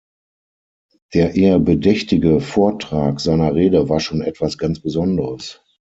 Der eher bedächtige Vortrag seiner Rede war schon etwas ganz Besonderes.